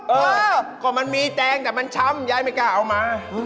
เออก็มันมีแตงแต่มันช้ำยายไม่กล้าเอามา